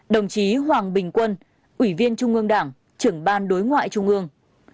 hai mươi năm đồng chí hoàng bình quân ủy viên trung ương đảng trưởng ban đối ngoại trung ương